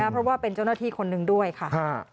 เพราะว่าเป็นเจ้าหน้าที่คนหนึ่งด้วยค่ะ